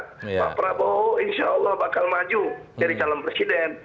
pak prabowo insya allah bakal maju jadi calon presiden